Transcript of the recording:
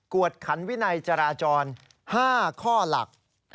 วดขันวินัยจราจร๕ข้อหลัก